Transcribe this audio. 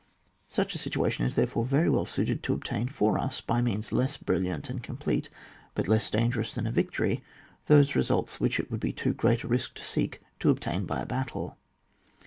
Such a situation is therefore very well suited to obtain for us, by means less brilliant and complete but less dangerous than a victory, those results which it would be too great a risk to seek to obtain by a battle.